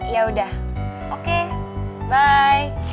ya udah oke bye